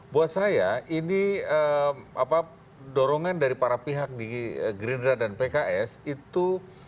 buat saya ini dorongan dari para pihak di gerindra dan pks itu